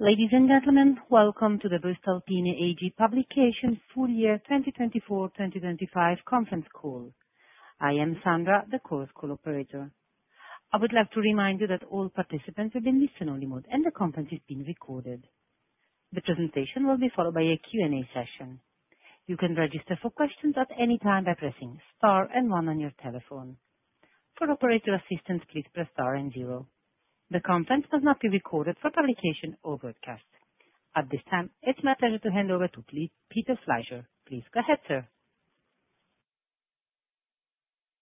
Ladies and gentlemen, welcome to the voestalpine AG Publications Full Year 2024-2025 Conference Call. I am Sandra, the course co-operator. I would like to remind you that all participants have been listened to only mode, and the conference is being recorded. The presentation will be followed by a Q&A session. You can register for questions at any time by pressing star and one on your telephone. For operator assistance, please press star and zero. The conference must not be recorded for publication or broadcast. At this time, it's my pleasure to hand over to Peter Fleischer. Please go ahead, sir.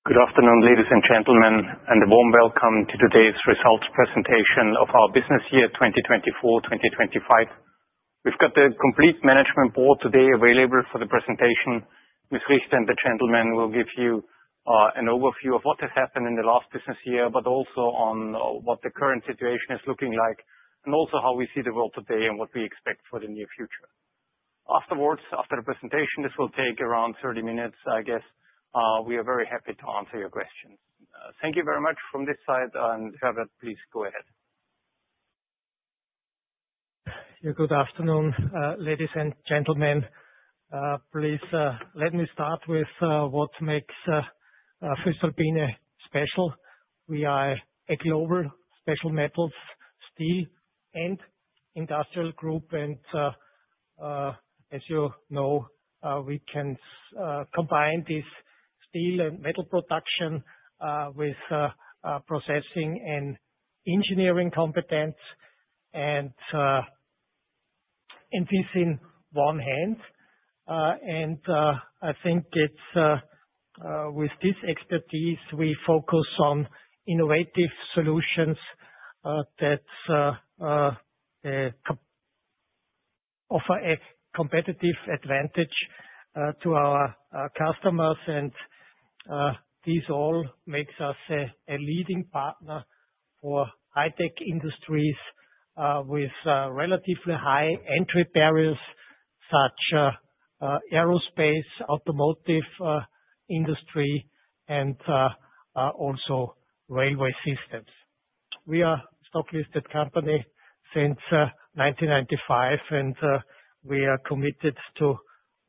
Good afternoon, ladies and gentlemen, and a warm welcome to today's results presentation of our business year 2024-2025. We've got the complete Management Board today available for the presentation. Ms. Richter and the gentlemen will give you an overview of what has happened in the last business year, but also on what the current situation is looking like, and also how we see the world today and what we expect for the near future. Afterwards, after the presentation, this will take around 30 minutes, I guess. We are very happy to answer your questions. Thank you very much from this side, and Gerald, please go ahead. Yeah, good afternoon, ladies and gentlemen. Please let me start with what makes voestalpine special. We are a global special metals, steel, and industrial group, and as you know, we can combine this steel and metal production with processing and engineering competence, and this in one hand. I think it's with this expertise we focus on innovative solutions that offer a competitive advantage to our customers, and this all makes us a leading partner for high-tech industries with relatively high entry barriers such as the aerospace, automotive industry, and also railway systems. We are a stock-listed company since 1995, and we are committed to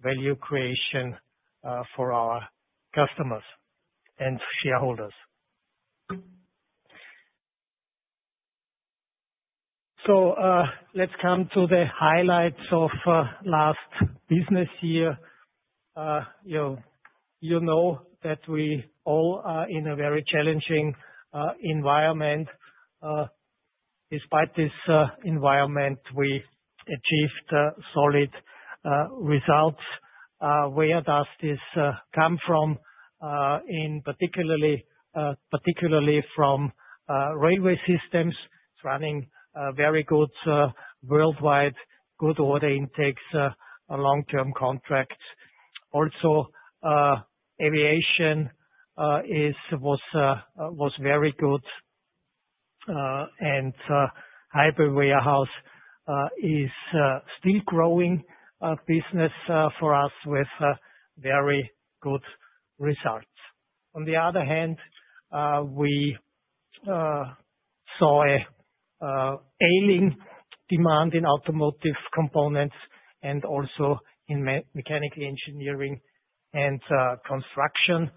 value creation for our customers and shareholders. Let's come to the highlights of last business year. You know that we all are in a very challenging environment. Despite this environment, we achieved solid results. Where does this come from? Particularly from railway systems. It's running very good worldwide, good order intakes, long-term contracts. Also, aviation was very good, and high-bay warehouses is still growing business for us with very good results. On the other hand, we saw a haling demand in automotive components and also in mechanical engineering and construction,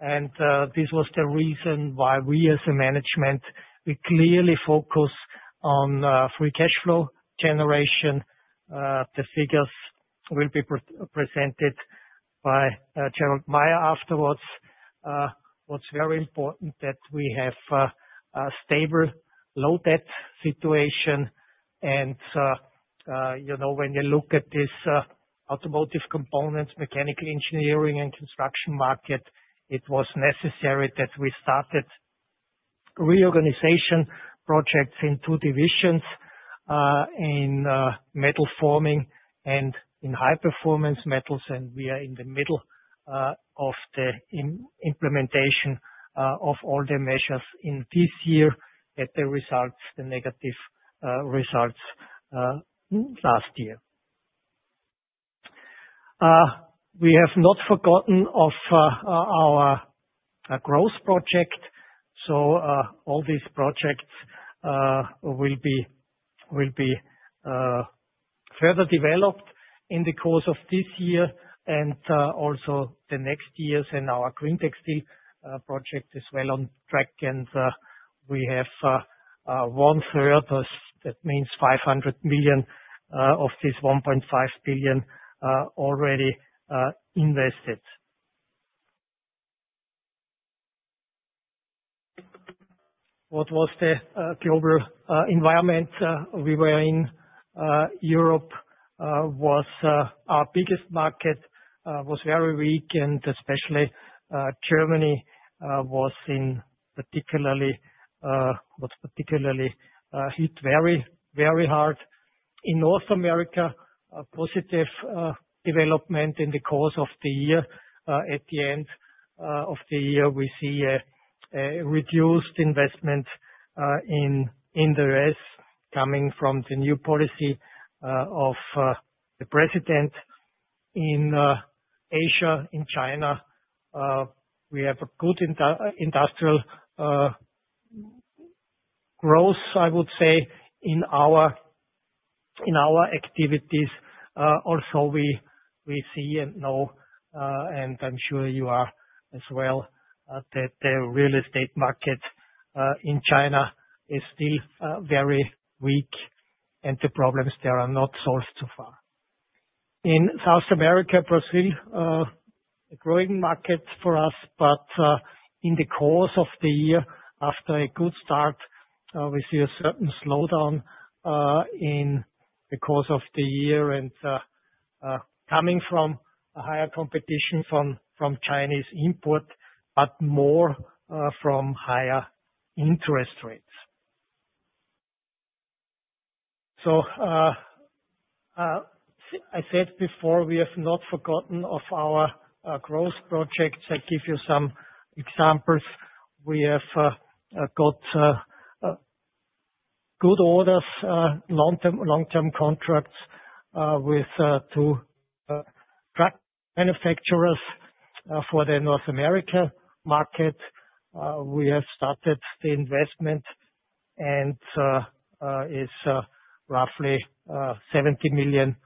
and this was the reason why we as a management, we clearly focus on free cash flow generation. The figures will be presented by Gerald Mayer afterwards. What's very important is that we have a stable low debt situation, and you know when you look at this automotive components, mechanical engineering, and construction market, it was necessary that we started reorganization projects in two divisions, in metal forming and in high-performance metals, and we are in the middle of the implementation of all the measures in this year that the results, the negative results last year. We have not forgotten of our growth project, so all these projects will be further developed in the course of this year and also the next years, and our greentec steel project is well on track, and we have one third, that means 500 million of this 1.5 billion already invested. What was the global environment we were in? Europe was our biggest market, was very weak, and especially Germany was in particularly what particularly hit very, very hard. In North America, positive development in the course of the year. At the end of the year, we see a reduced investment in the U.S. coming from the new policy of the president. In Asia, in China, we have a good industrial growth, I would say, in our activities. Also, we see and know, and I'm sure you are as well, that the real estate market in China is still very weak, and the problems there are not solved so far. In South America, Brazil, a growing market for us, but in the course of the year, after a good start, we see a certain slowdown in the course of the year, and coming from a higher competition from Chinese import, but more from higher interest rates. I said before we have not forgotten of our growth projects. I give you some examples. We have got good orders, long-term contracts with two manufacturers for the North America market. We have started the investment, and it's roughly 70 million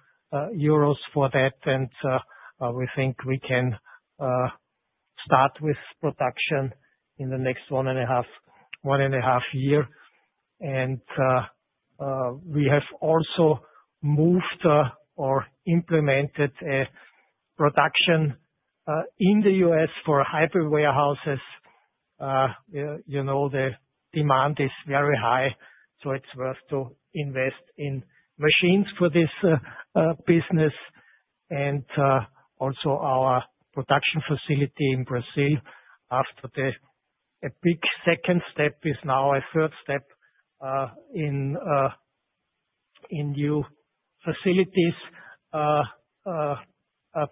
euros for that, and we think we can start with production in the next one and a half year. We have also moved or implemented production in the U.S. for high-bay warehouses. You know the demand is very high, so it is worth to invest in machines for this business, and also our production facility in Brazil after the big second step is now a third step in new facilities to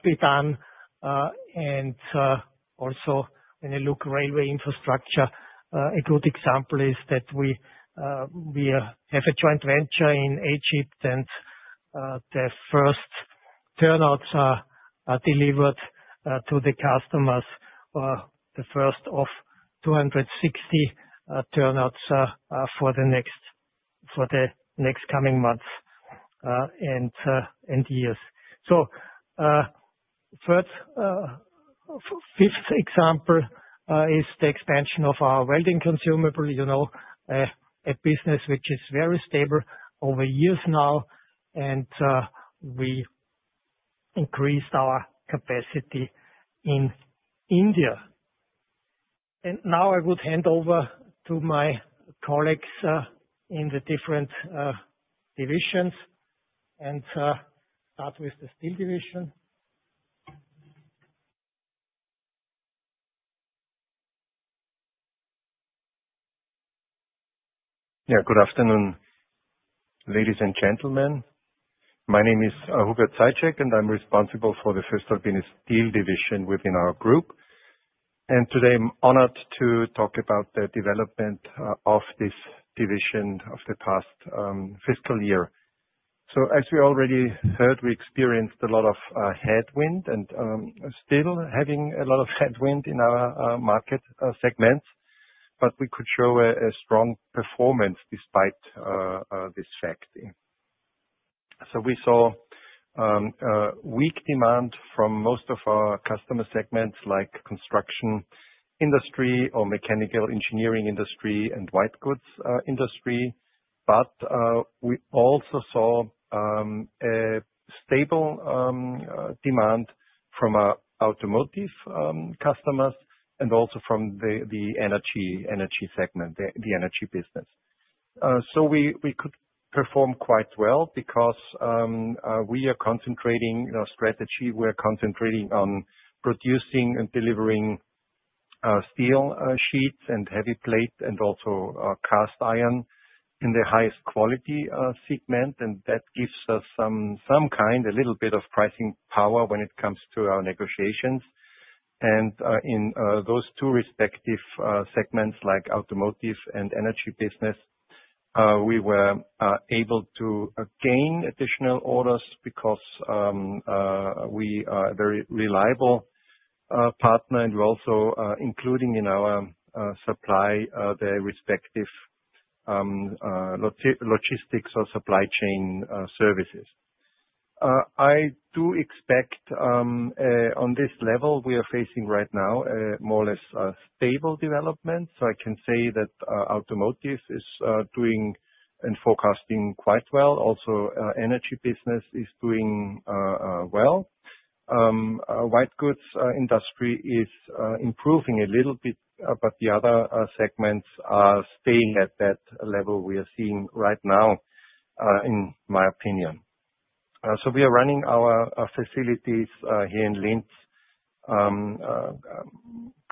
be done. Also, when you look at railway infrastructure, a good example is that we have a joint venture in Egypt, and the first turnouts are delivered to the customers, the first of 260 turnouts for the next coming months and years. A fifth example is the expansion of our welding consumable, you know, a business which is very stable over years now, and we increased our capacity in India. Now I would hand over to my colleagues in the different divisions and start with the steel division. Yeah, good afternoon, ladies and gentlemen. My name is Hubert Zajicek, and I'm responsible for the voestalpine Steel Division within our group. Today I'm honored to talk about the development of this division of the past fiscal year. As we already heard, we experienced a lot of headwind and still having a lot of headwind in our market segments, but we could show a strong performance despite this fact. We saw weak demand from most of our customer segments like construction industry or mechanical engineering industry and white goods industry, but we also saw a stable demand from our automotive customers and also from the energy segment, the energy business. We could perform quite well because we are concentrating our strategy. We are concentrating on producing and delivering steel sheets and heavy plate and also cast iron in the highest quality segment, and that gives us some kind of a little bit of pricing power when it comes to our negotiations. In those two respective segments like automotive and energy business, we were able to gain additional orders because we are a very reliable partner, and we're also including in our supply the respective logistics or supply chain services. I do expect on this level we are facing right now a more or less stable development, so I can say that automotive is doing and forecasting quite well. Also, energy business is doing well. White goods industry is improving a little bit, but the other segments are staying at that level we are seeing right now, in my opinion. We are running our facilities here in Linz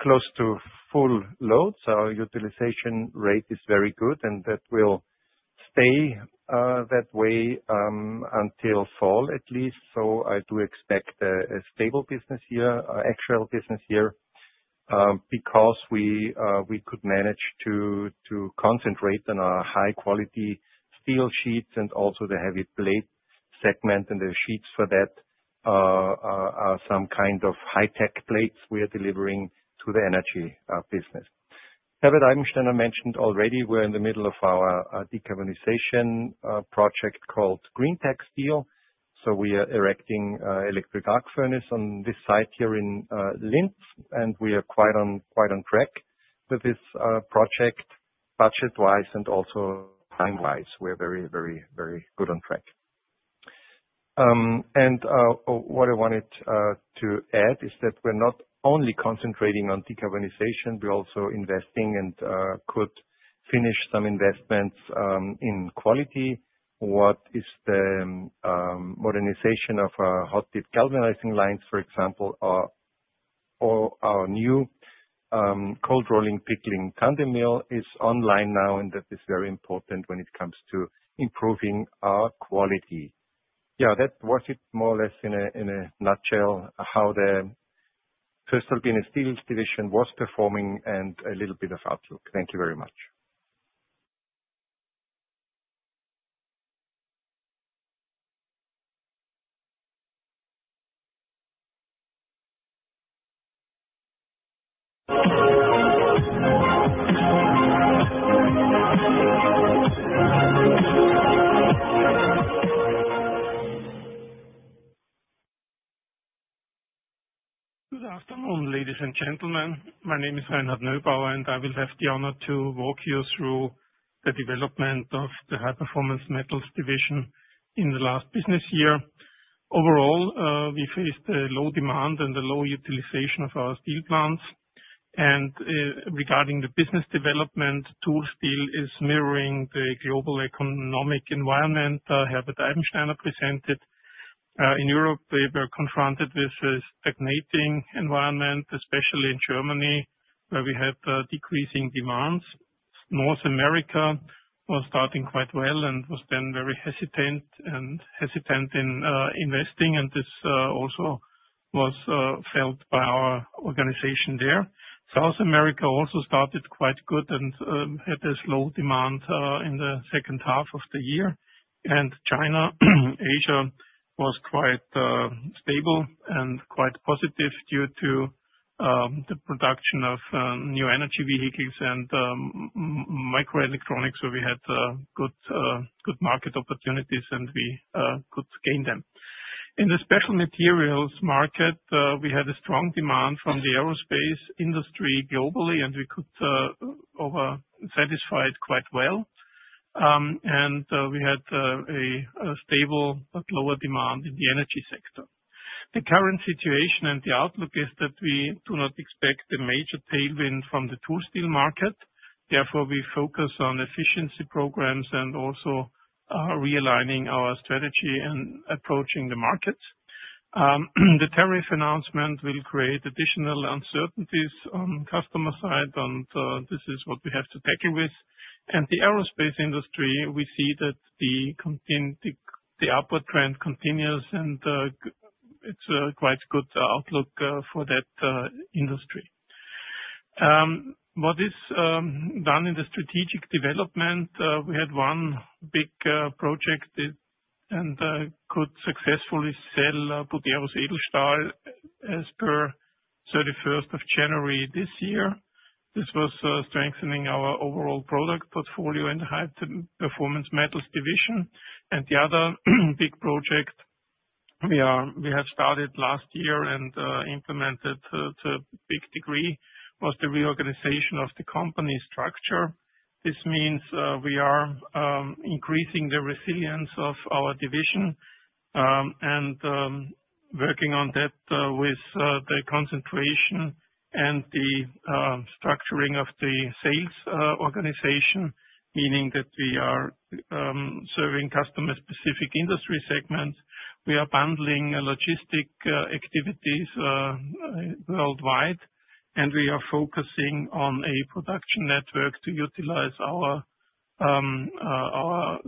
close to full load, so our utilization rate is very good, and that will stay that way until fall at least. I do expect a stable business year, actual business year, because we could manage to concentrate on our high-quality steel sheets and also the heavy plate segment, and the sheets for that are some kind of high-tech plates we are delivering to the energy business. Gerald Eibensteiner, I mentioned already, we are in the middle of our decarbonization project called greentec steel. We are erecting an electric arc furnace on this site here in Linz, and we are quite on track with this project budget-wise and also time-wise. We are very, very, very good on track. What I wanted to add is that we're not only concentrating on decarbonization, we're also investing and could finish some investments in quality. What is the modernization of our hot-dip galvanizing lines, for example, or our new cold rolling pickling tandem mill is online now, and that is very important when it comes to improving our quality. Yeah, that was it more or less in a nutshell how the voestalpine Steel Division was performing and a little bit of outlook. Thank you very much. Good afternoon, ladies and gentlemen. My name is Reinhard Nöbauer, and I will have the honor to walk you through the development of the high-performance metals division in the last business year. Overall, we faced a low demand and a low utilization of our steel plants. Regarding the business development, Tool Steel is mirroring the global economic environment that Herbert Eibensteiner presented. In Europe, we were confronted with a stagnating environment, especially in Germany, where we had decreasing demands. North America was starting quite well and was then very hesitant in investing, and this also was felt by our organization there. South America also started quite good and had a slow demand in the second half of the year. China, Asia was quite stable and quite positive due to the production of new energy vehicles and microelectronics, so we had good market opportunities and we could gain them. In the special materials market, we had a strong demand from the aerospace industry globally, and we could satisfy it quite well. We had a stable but lower demand in the energy sector. The current situation and the outlook is that we do not expect a major tailwind from the Tool Steel market. Therefore, we focus on efficiency programs and also realigning our strategy and approaching the markets. The tariff announcement will create additional uncertainties on the customer side, and this is what we have to tackle with. The aerospace industry, we see that the upward trend continues, and it's a quite good outlook for that industry. What is done in the strategic development, we had one big project and could successfully sell Buderus Edelstahl as per 31st of January this year. This was strengthening our overall product portfolio in the high-performance metals division. The other big project we started last year and implemented to a big degree was the reorganization of the company structure. This means we are increasing the resilience of our division and working on that with the concentration and the structuring of the sales organization, meaning that we are serving customer-specific industry segments. We are bundling logistic activities worldwide, and we are focusing on a production network to utilize our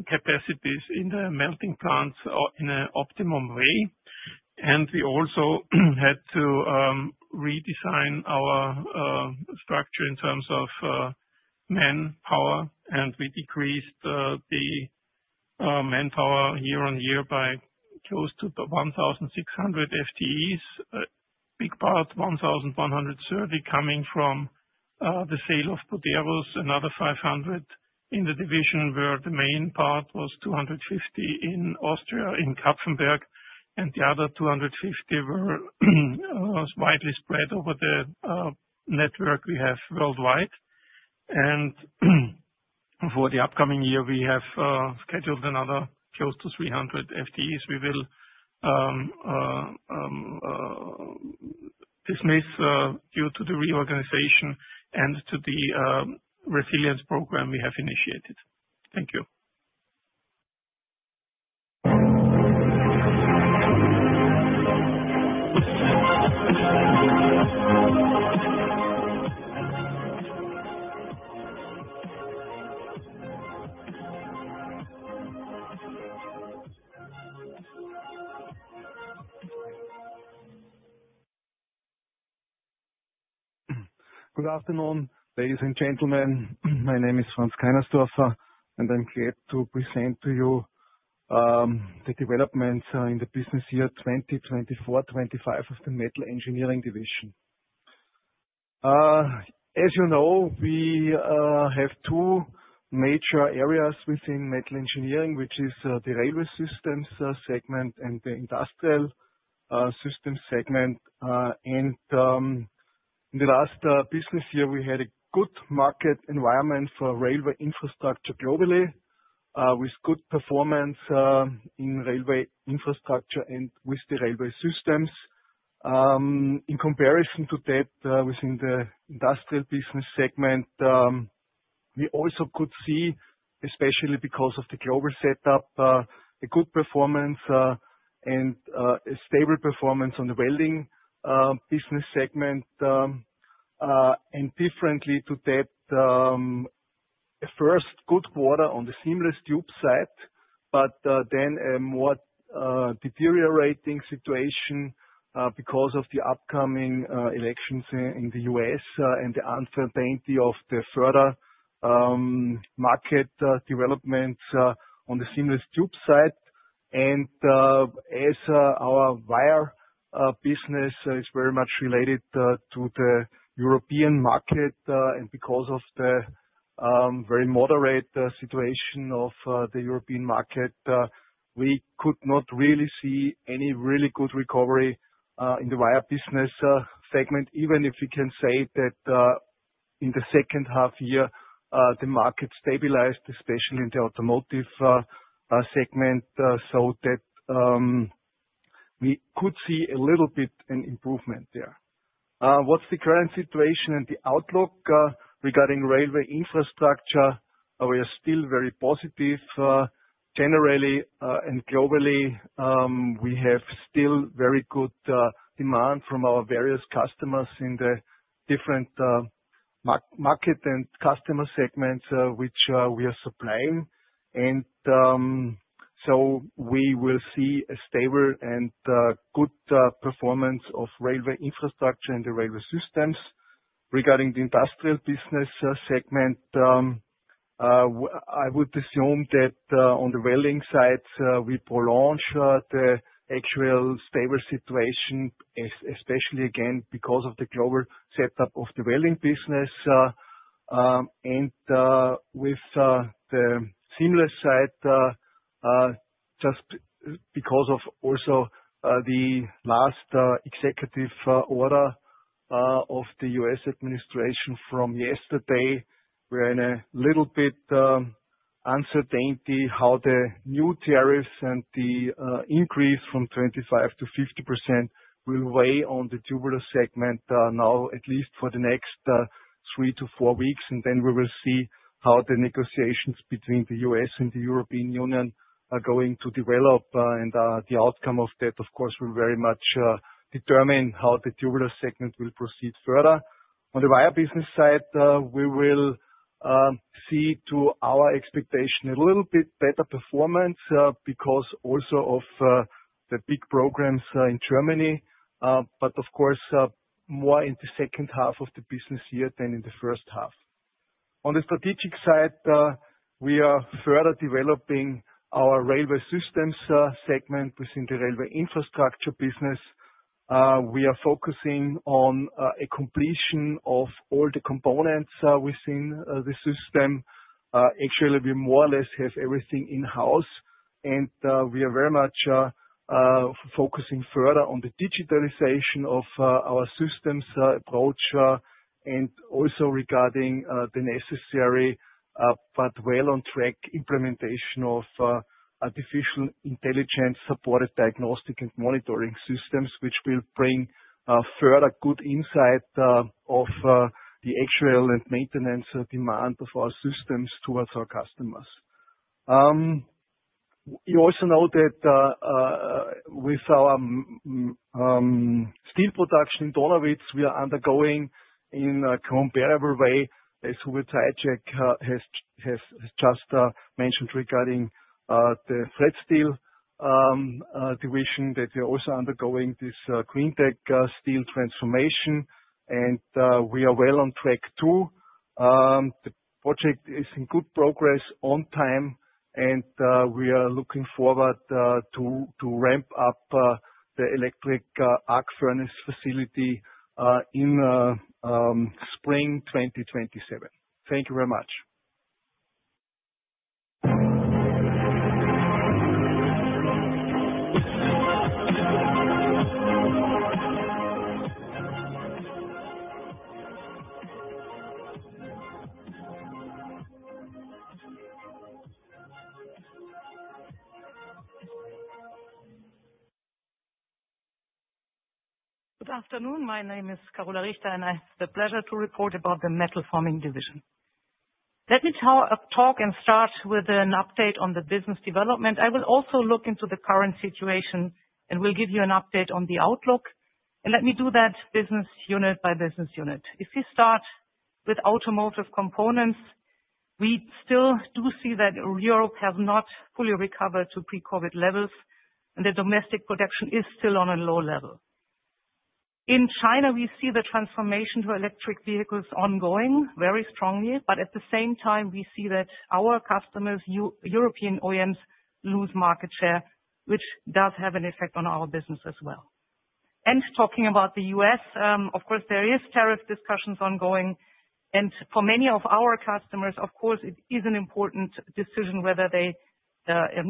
capacities in the melting plants in an optimum way. We also had to redesign our structure in terms of manpower, and we decreased the manpower year on year by close to 1,600 FTEs. A big part, 1,130, coming from the sale of Buderus Edelstahl, another 500 in the division where the main part was 250 in Austria in Kapfenberg, and the other 250 were widely spread over the network we have worldwide. For the upcoming year, we have scheduled another close to 300 FTEs we will dismiss due to the reorganization and to the resilience program we have initiated. Thank you. Good afternoon, ladies and gentlemen. My name is Franz Kainersdorfer, and I'm here to present to you the developments in the business year 2024-2025 of the Metal Engineering Division. As you know, we have two major areas within metal engineering, which is the railway systems segment and the industrial systems segment. In the last business year, we had a good market environment for railway infrastructure globally with good performance in railway infrastructure and with the railway systems. In comparison to that, within the industrial business segment, we also could see, especially because of the global setup, a good performance and a stable performance on the welding business segment. Differently to that, a first good quarter on the seamless tube side, but then a more deteriorating situation because of the upcoming elections in the U.S. and the uncertainty of the further market developments on the seamless tube side. As our wire business is very much related to the European market, and because of the very moderate situation of the European market, we could not really see any really good recovery in the wire business segment, even if we can say that in the second half year, the market stabilized, especially in the automotive segment, so that we could see a little bit of an improvement there. What's the current situation and the outlook regarding railway infrastructure? We are still very positive. Generally and globally, we have still very good demand from our various customers in the different market and customer segments which we are supplying. We will see a stable and good performance of railway infrastructure and the railway systems. Regarding the industrial business segment, I would assume that on the welding side, we prolong the actual stable situation, especially again because of the global setup of the welding business. With the seamless side, just because of also the last executive order of the U.S. administration from yesterday, we are in a little bit of uncertainty how the new tariffs and the increase from 25%-50% will weigh on the tubular segment now, at least for the next three to four weeks. We will see how the negotiations between the U.S. and the European Union are going to develop, and the outcome of that, of course, will very much determine how the tubular segment will proceed further. On the wire business side, we will see to our expectation a little bit better performance because also of the big programs in Germany, but of course more in the second half of the business year than in the first half. On the strategic side, we are further developing our railway systems segment within the railway infrastructure business. We are focusing on a completion of all the components within the system. Actually, we more or less have everything in-house, and we are very much focusing further on the digitalization of our systems approach and also regarding the necessary but well on track implementation of artificial intelligence-supported diagnostic and monitoring systems, which will bring further good insight of the actual and maintenance demand of our systems towards our customers. You also know that with our steel production in Donawitz, we are undergoing in a comparable way, as Hubert Zajicek has just mentioned regarding the Fleischsteel division, that we are also undergoing this greentec steel transformation, and we are well on track too. The project is in good progress on time, and we are looking forward to ramp up the electric arc furnace facility in spring 2027. Thank you very much. Good afternoon. My name is Carola Richteiner. It's a pleasure to report about the Metal Forming Division. Let me talk and start with an update on the business development. I will also look into the current situation and will give you an update on the outlook. Let me do that business unit by business unit. If we start with automotive components, we still do see that Europe has not fully recovered to pre-COVID levels, and the domestic production is still on a low level. In China, we see the transformation to electric vehicles ongoing very strongly, but at the same time, we see that our customers, European OEMs, lose market share, which does have an effect on our business as well. Talking about the U.S., of course, there are tariff discussions ongoing, and for many of our customers, of course, it is an important decision whether they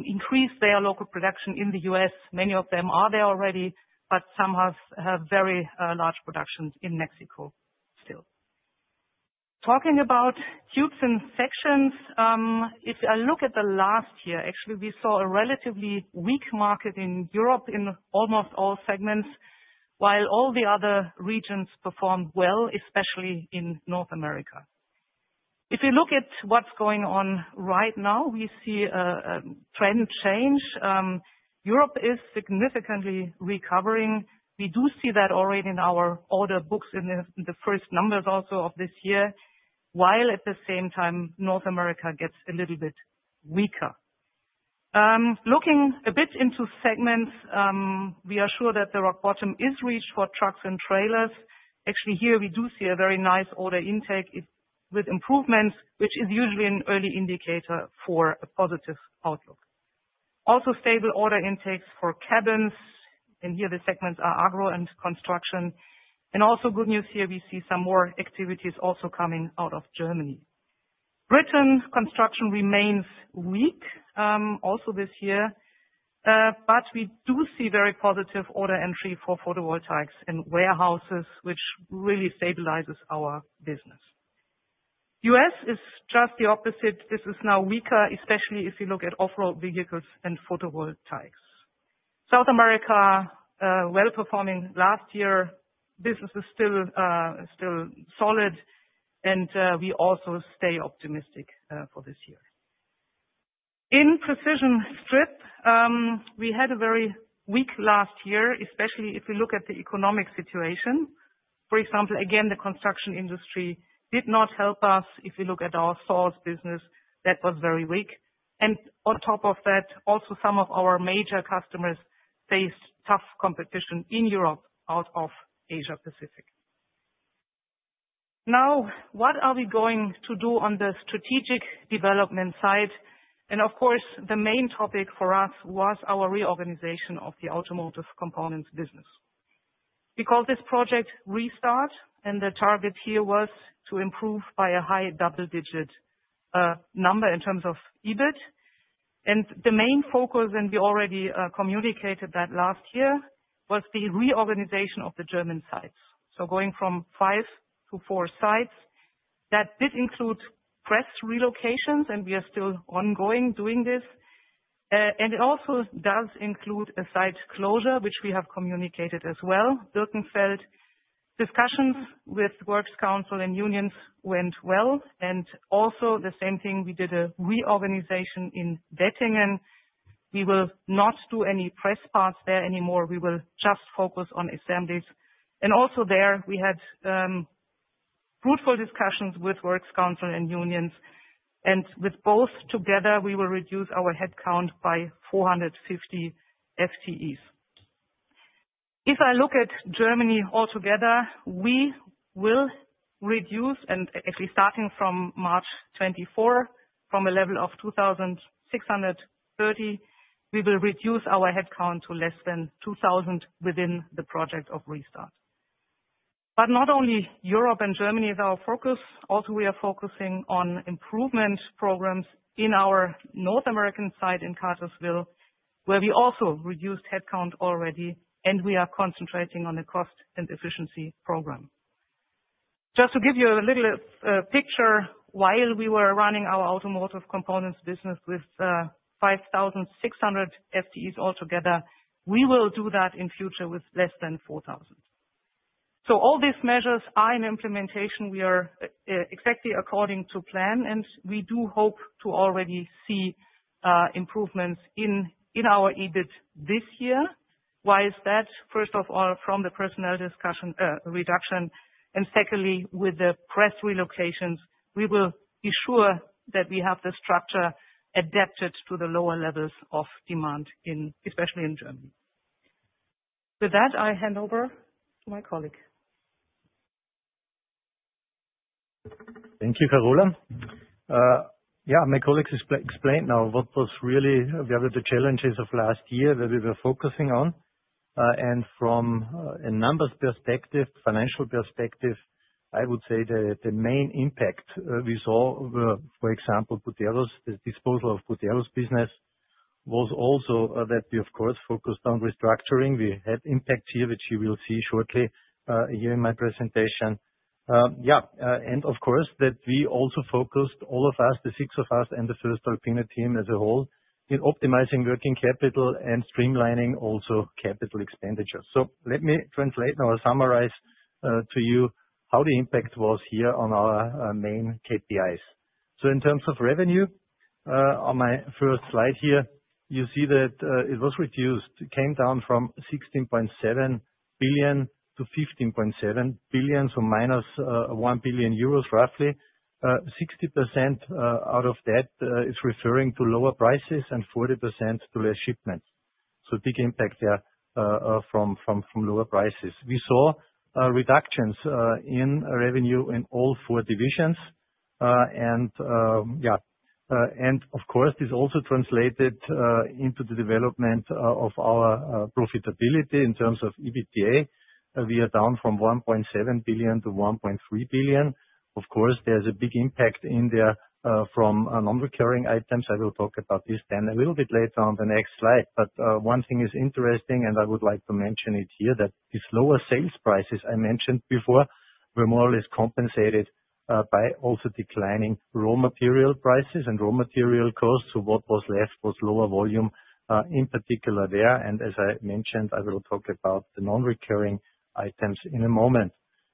increase their local production in the U.S. Many of them are there already, but some have very large productions in Mexico still. Talking about tubes and sections, if I look at the last year, actually, we saw a relatively weak market in Europe in almost all segments, while all the other regions performed well, especially in North America. If you look at what's going on right now, we see a trend change. Europe is significantly recovering. We do see that already in our order books in the first numbers also of this year, while at the same time, North America gets a little bit weaker. Looking a bit into segments, we are sure that the rock bottom is reached for trucks and trailers. Actually, here we do see a very nice order intake with improvements, which is usually an early indicator for a positive outlook. Also stable order intakes for cabins, and here the segments are agro and construction. Also, good news here, we see some more activities coming out of Germany. Britain's construction remains weak this year, but we do see very positive order entry for photovoltaics and warehouses, which really stabilizes our business. The U.S. is just the opposite. This is now weaker, especially if you look at off-road vehicles and photovoltaics. South America performed well last year. Business is still solid, and we also stay optimistic for this year. In precision strip, we had a very weak last year, especially if we look at the economic situation. For example, the construction industry did not help us. If you look at our sales business, that was very weak. On top of that, some of our major customers faced tough competition in Europe out of Asia-Pacific. Now, what are we going to do on the strategic development side? Of course, the main topic for us was our reorganization of the automotive components business. We called this project Restart, and the target here was to improve by a high double-digit number in terms of EBIT. The main focus, and we already communicated that last year, was the reorganization of the German sites. Going from five to four sites, that did include press relocations, and we are still ongoing doing this. It also does include a site closure, which we have communicated as well. Birkenfeld discussions with the works council and unions went well. The same thing, we did a reorganization in Bettingen. We will not do any press parts there anymore. We will just focus on assemblies. There, we had fruitful discussions with works council and unions. With both together, we will reduce our headcount by 450 FTEs. If I look at Germany altogether, we will reduce, and actually starting from March 2024, from a level of 2,630, we will reduce our headcount to less than 2,000 within the project of Restart. Not only Europe and Germany is our focus. Also, we are focusing on improvement programs in our North American site in Cartersville, where we also reduced headcount already, and we are concentrating on the cost and efficiency program. Just to give you a little picture, while we were running our automotive components business with 5,600 FTEs altogether, we will do that in future with less than 4,000. All these measures are in implementation. We are exactly according to plan, and we do hope to already see improvements in our EBIT this year. Why is that? First of all, from the personnel reduction. Secondly, with the press relocations, we will be sure that we have the structure adapted to the lower levels of demand, especially in Germany. With that, I hand over to my colleague. Thank you, Carola. Yeah, my colleagues explained now what was really the challenges of last year that we were focusing on. From a numbers perspective, financial perspective, I would say the main impact we saw, for example, the disposal of Buderus Edelstahl's business was also that we, of course, focused on restructuring. We had impact here, which you will see shortly here in my presentation. Yeah, and of course, that we also focused, all of us, the six of us and the voestalpine team as a whole, in optimizing working capital and streamlining also capital expenditures. Let me translate now or summarize to you how the impact was here on our main KPIs. In terms of revenue, on my first slide here, you see that it was reduced. It came down from 16.7 billion to 15.7 billion, so minus 1 billion euros roughly. 60% out of that is referring to lower prices and 40% to less shipments. Big impact there from lower prices. We saw reductions in revenue in all four divisions. Yeah, of course, this also translated into the development of our profitability in terms of EBITDA. We are down from 1.7 billion to 1.3 billion. Of course, there is a big impact in there from non-recurring items. I will talk about this then a little bit later on the next slide. One thing is interesting, and I would like to mention it here, that these lower sales prices I mentioned before were more or less compensated by also declining raw material prices and raw material costs. What was left was lower volume in particular there. As I mentioned, I will talk about the non-recurring items in a moment.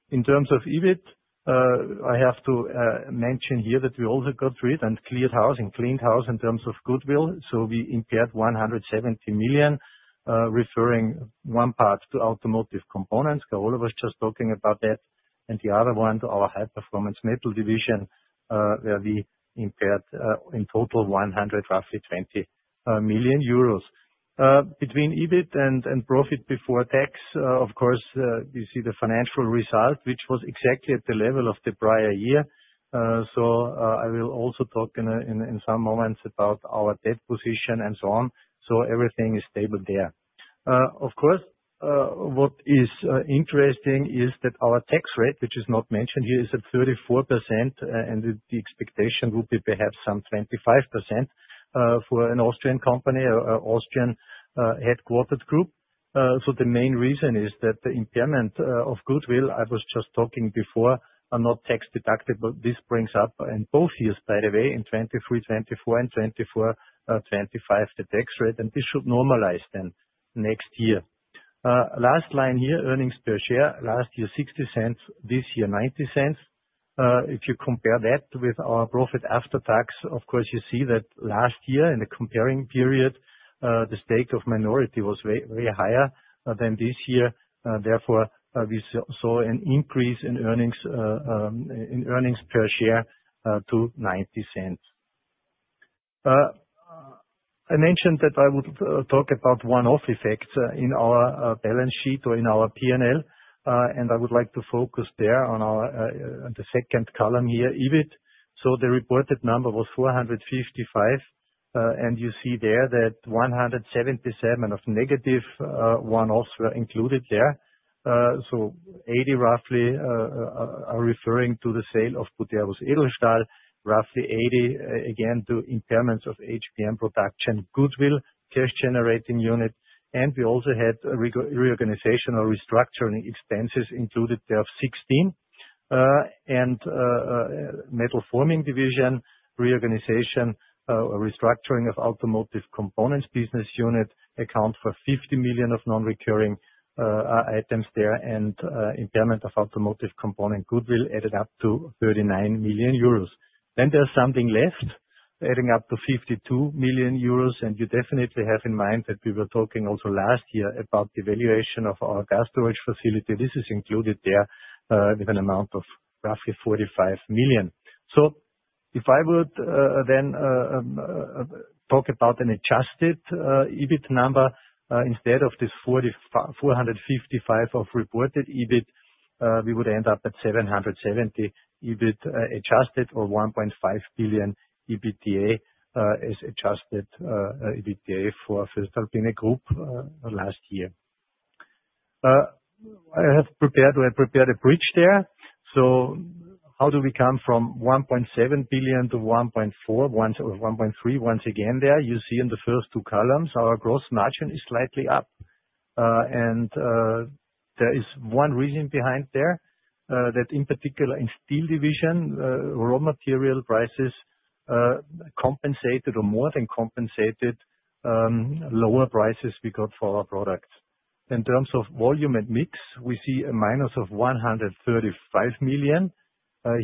In terms of EBIT, I have to mention here that we also got rid and cleared house and cleaned house in terms of goodwill. We impaired 170 million, referring one part to automotive components. Carola was just talking about that. The other one to our high-performance metal division, where we impaired in total 120 million euros. Between EBIT and profit before tax, of course, you see the financial result, which was exactly at the level of the prior year. I will also talk in some moments about our debt position and so on. Everything is stable there. Of course, what is interesting is that our tax rate, which is not mentioned here, is at 34%, and the expectation would be perhaps some 25% for an Austrian company, an Austrian headquartered group. The main reason is that the impairment of Goodwill, I was just talking before, are not tax-deductible. This brings up in both years, by the way, in 2023-2024 and 2024-2025, the tax rate, and this should normalize then next year. Last line here, earnings per share, last year 0.60, this year 0.90. If you compare that with our profit after tax, of course, you see that last year in the comparing period, the stake of minority was way higher than this year. Therefore, we saw an increase in earnings per share to 0.90. I mentioned that I would talk about one-off effects in our balance sheet or in our P&L, and I would like to focus there on the second column here, EBIT. The reported number was 455 million, and you see there that 177 million of negative one-offs were included there. Roughly EUR 80 million are referring to the sale of Buderus Edelstahl, roughly 80 million again to impairments of HPM production, Goodwill, cash-generating unit. We also had reorganization or restructuring expenses included there of 16 million. Metal Forming Division reorganization or restructuring of automotive components business unit account for 50 million of non-recurring items there, and impairment of automotive component Goodwill added up to 39 million euros. There is something left, adding up to 52 million euros, and you definitely have in mind that we were talking also last year about the valuation of our gas storage facility. This is included there with an amount of roughly 45 million. If I would then talk about an adjusted EBIT number, instead of this 455 million of reported EBIT, we would end up at 770 million EBIT adjusted or 1.5 billion EBITDA as adjusted EBITDA for voestalpine Group last year. I have prepared a bridge there. How do we come from 1.7 billion to 1.4 billion, 1.3 billion once again there? You see in the first two columns, our gross margin is slightly up. There is one reason behind there that in particular in Steel Division, raw material prices compensated or more than compensated lower prices we got for our products. In terms of volume and mix, we see a minus of 135 million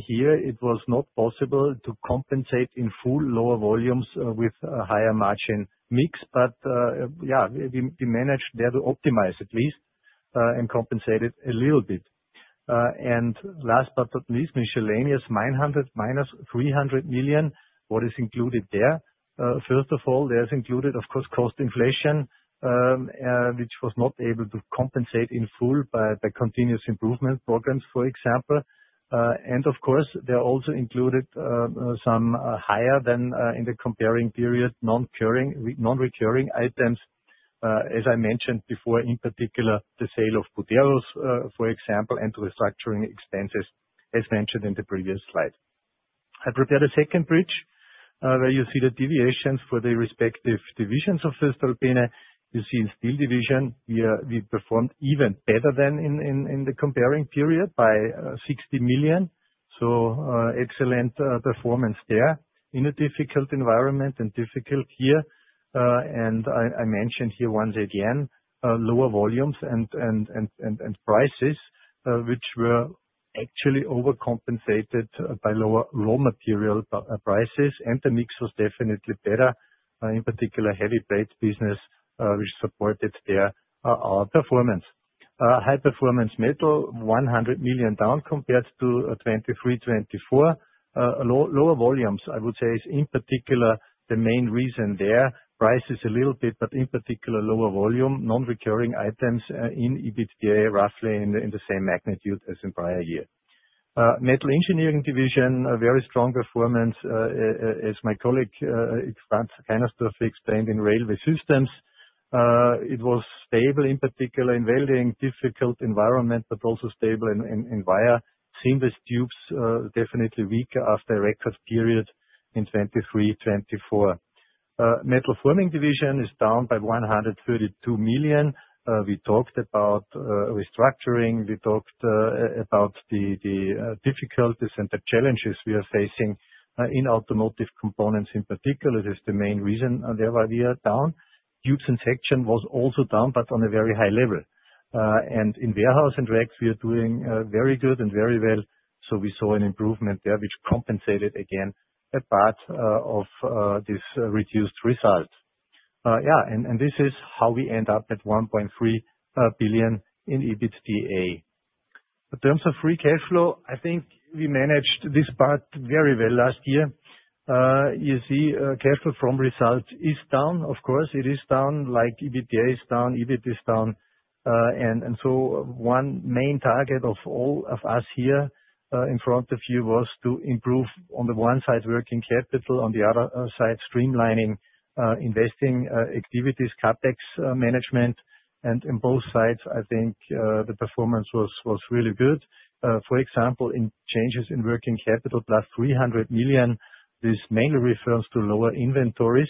here. It was not possible to compensate in full lower volumes with a higher margin mix, but yeah, we managed there to optimize at least and compensate it a little bit. Last but not least, Michelin is minus 300 million. What is included there? First of all, there is included, of course, cost inflation, which was not able to compensate in full by continuous improvement programs, for example. Of course, there are also included some higher than in the comparing period non-recurring items, as I mentioned before, in particular the sale of Buderus Edelstahl, for example, and restructuring expenses as mentioned in the previous slide. I prepared a second bridge where you see the deviations for the respective divisions of voestalpine. You see in Steel Division, we performed even better than in the comparing period by 60 million. Excellent performance there in a difficult environment and difficult year. I mentioned here once again lower volumes and prices, which were actually overcompensated by lower raw material prices, and the mix was definitely better, in particular heavy plate business, which supported there our performance. High-performance metal, 100 million down compared to 2023-2024. Lower volumes, I would say, is in particular the main reason there. Prices a little bit, but in particular lower volume, non-recurring items in EBITDA, roughly in the same magnitude as in prior year. Metal Engineering Division, very strong performance, as my colleague Franz Kainersdorfer explained in railway systems. It was stable, in particular in welding, difficult environment, but also stable in wire, seamless tubes, definitely weaker after a record period in 2023-2024. Metal Forming Division is down by 132 million. We talked about restructuring. We talked about the difficulties and the challenges we are facing in automotive components in particular. This is the main reason there why we are down. Tubes and section was also down, but on a very high level. In warehouse and rack, we are doing very good and very well. We saw an improvement there, which compensated again a part of this reduced result. Yeah, and this is how we end up at 1.3 billion in EBITDA. In terms of free cash flow, I think we managed this part very well last year. You see cash flow from results is down. Of course, it is down like EBITDA is down, EBIT is down. One main target of all of us here in front of you was to improve on the one side working capital, on the other side streamlining investing activities, CapEx management. On both sides, I think the performance was really good. For example, in changes in working capital, plus 300 million, this mainly refers to lower inventories.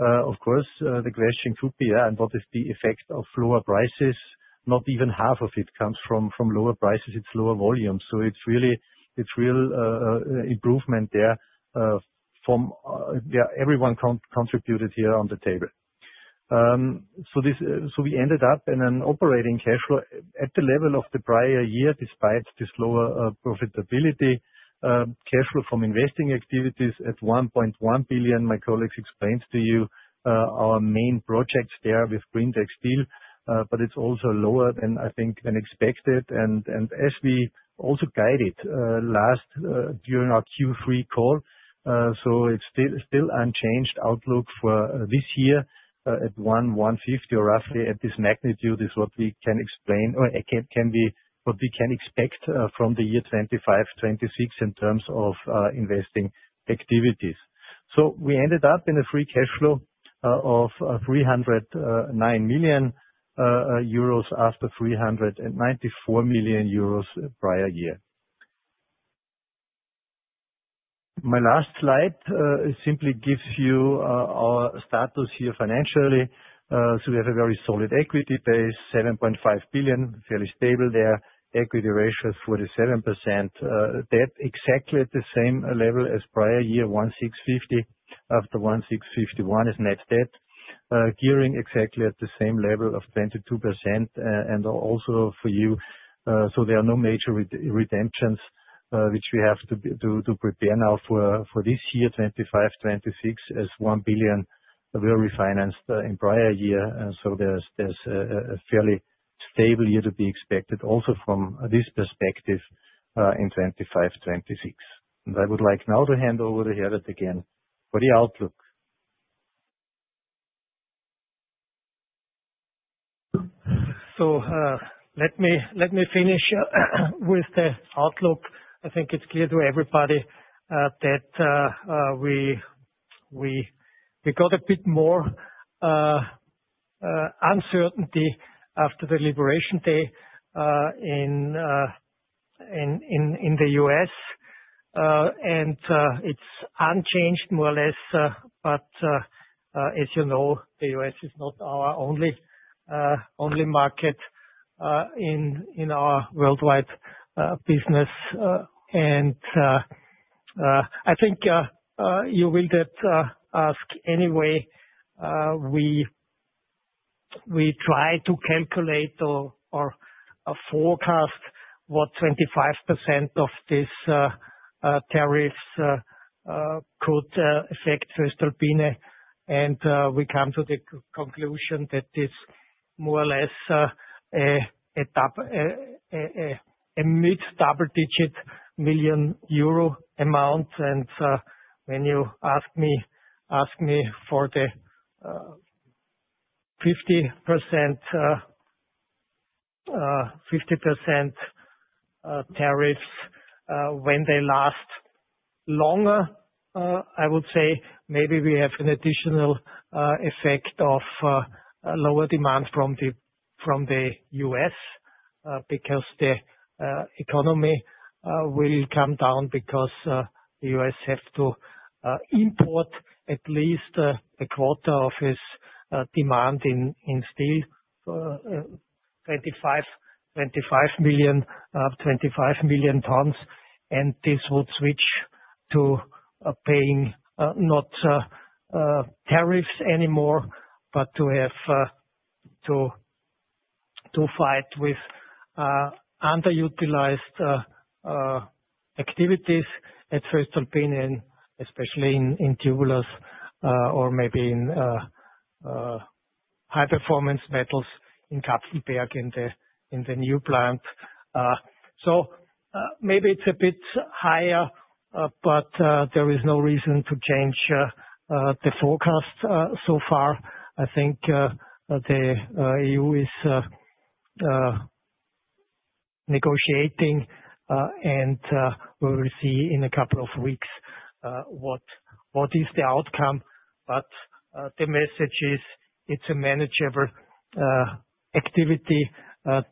Of course, the question could be, and what is the effect of lower prices? Not even half of it comes from lower prices. It is lower volumes. It is real improvement there from where everyone contributed here on the table. We ended up in an operating cash flow at the level of the prior year, despite this lower profitability. Cash flow from investing activities at 1.1 billion, my colleagues explained to you our main projects there with greentec steel, but it is also lower than I think than expected. As we also guided last during our Q3 call, it is still unchanged outlook for this year at 1.150 billion or roughly at this magnitude is what we can explain or what we can expect from the year 2025-2026 in terms of investing activities. We ended up in a free cash flow of 309 million euros after 394 million euros prior year. My last slide simply gives you our status here financially. We have a very solid equity base, 7.5 billion, fairly stable there. Equity ratio is 47%. Debt exactly at the same level as prior year, 1,650 million after 1,651 million is net debt. Gearing exactly at the same level of 22%. Also for you, there are no major redemptions, which we have to prepare now for this year, 2025, 2026, as 1 billion were refinanced in prior year. There is a fairly stable year to be expected also from this perspective in 2025, 2026. I would like now to hand over to Herbert again for the outlook. Let me finish with the outlook. I think it's clear to everybody that we got a bit more uncertainty after the Liberation Day in the U.S. It's unchanged more or less, but as you know, the U.S. is not our only market in our worldwide business. I think you will get asked anyway, we try to calculate or forecast what 25% of these tariffs could affect voestalpine. We come to the conclusion that this is more or less a mid double-digit million EUR amount. When you ask me for the 50% tariffs when they last longer, I would say maybe we have an additional effect of lower demand from the U.S. because the economy will come down because the U.S. has to import at least a quarter of its demand in steel, 25 million tons. This would switch to paying not tariffs anymore, but to fight with underutilized activities at voestalpine, especially in tubulars or maybe in high-performance metals in Kapfenberg in the new plant. Maybe it is a bit higher, but there is no reason to change the forecast so far. I think the EU is negotiating, and we will see in a couple of weeks what is the outcome. The message is it is a manageable activity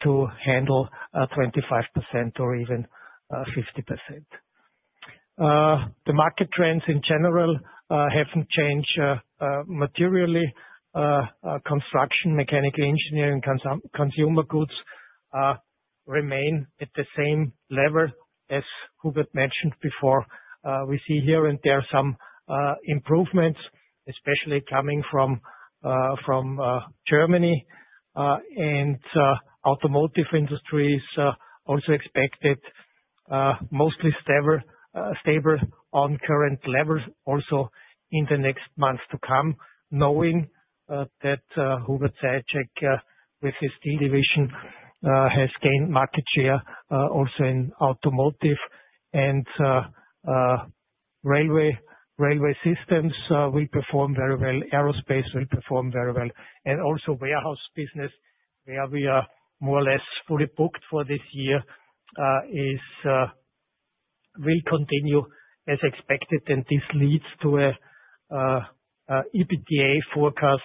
to handle 25% or even 50%. The market trends in general have not changed materially. Construction, mechanical engineering, consumer goods remain at the same level as Hubert mentioned before. We see here and there some improvements, especially coming from Germany. Automotive industry is also expected mostly stable on current levels also in the next months to come, knowing that Hubert Zajicek with his Steel Division has gained market share also in automotive. Railway systems will perform very well. Aerospace will perform very well. Also, warehouse business, where we are more or less fully booked for this year, will continue as expected. This leads to an EBITDA forecast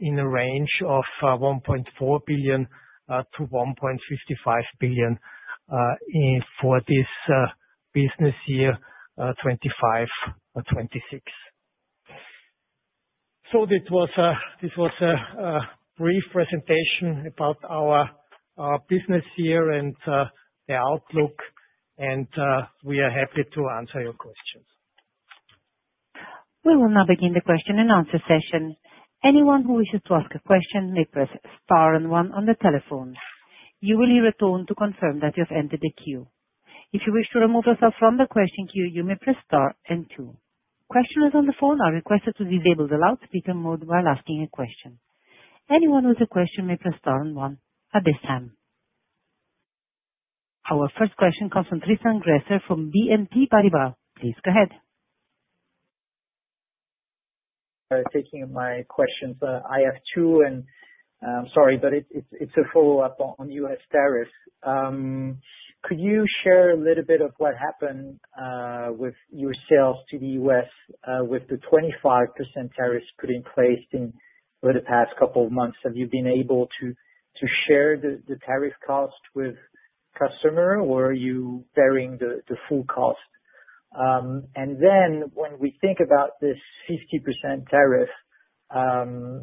in a range of 1.4 billion-1.55 billion for this business year, 2025-2026. This was a brief presentation about our business year and the outlook, and we are happy to answer your questions. We will now begin the question and answer session. Anyone who wishes to ask a question may press star and one on the telephone. You will hear a tone to confirm that you have entered the queue. If you wish to remove yourself from the question queue, you may press star and two. Questioners on the phone are requested to disable the loudspeaker mode while asking a question. Anyone with a question may press star and one at this time. Our first question comes from Tristan Gresser from BNP Paribas. Please go ahead. Thank you for my questions. I have two, and I'm sorry, but it's a follow-up on U.S. tariffs. Could you share a little bit of what happened with your sales to the U.S. with the 25% tariffs put in place over the past couple of months? Have you been able to share the tariff cost with customer, or are you bearing the full cost? When we think about this 50% tariff,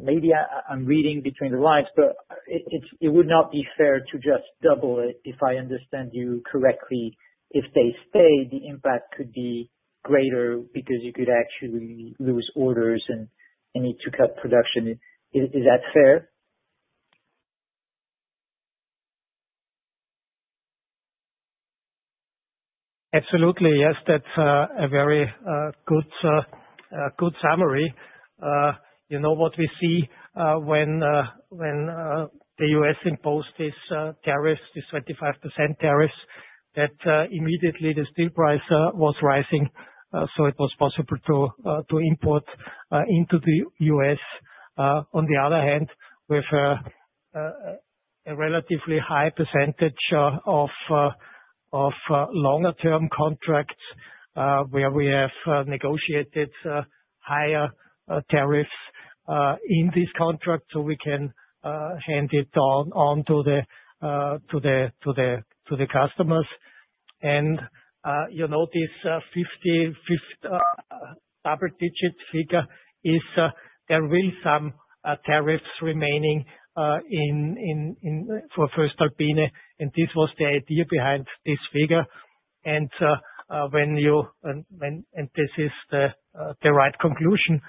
maybe I'm reading between the lines, but it would not be fair to just double it, if I understand you correctly. If they stay, the impact could be greater because you could actually lose orders and need to cut production. Is that fair? Absolutely. Yes, that's a very good summary. You know what we see when the U.S. imposed this tariff, this 25% tariff, that immediately the steel price was rising, so it was possible to import into the U.S. On the other hand, we've had a relatively high percentage of longer-term contracts where we have negotiated higher tariffs in this contract so we can hand it on to the customers. You know this 50 double-digit figure is there will be some tariffs remaining for voestalpine. This was the idea behind this figure. This is the right conclusion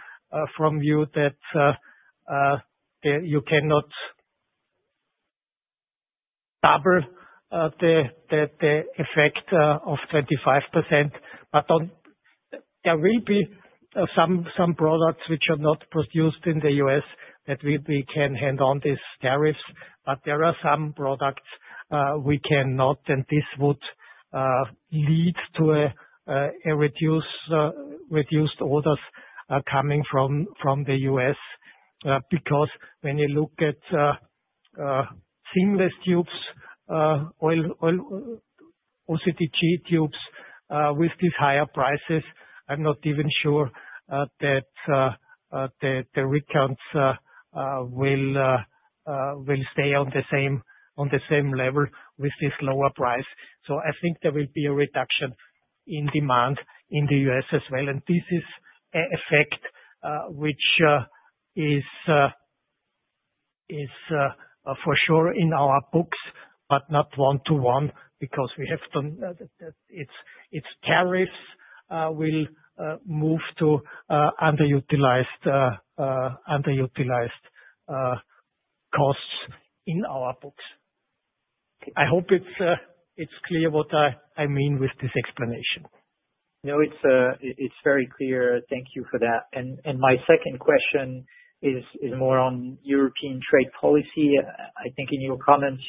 from you that you cannot double the effect of 25%. There will be some products which are not produced in the U.S. that we can hand on these tariffs. There are some products we cannot, and this would lead to reduced orders coming from the U.S. because when you look at seamless tubes, OCTG tubes with these higher prices, I'm not even sure that the recounts will stay on the same level with this lower price. I think there will be a reduction in demand in the U.S. as well. This is an effect which is for sure in our books, but not one to one because we have to, it's tariffs will move to underutilized costs in our books. I hope it's clear what I mean with this explanation. No, it's very clear. Thank you for that. My second question is more on European trade policy. I think in your comments,